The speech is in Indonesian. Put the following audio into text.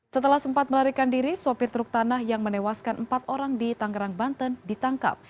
setelah sempat melarikan diri sopir truk tanah yang menewaskan empat orang di tangerang banten ditangkap